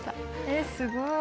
えすごい！